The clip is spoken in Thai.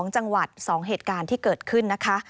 ๒จังหวัด๒เหตุการณ์ที่เกิดขึ้นนะคะ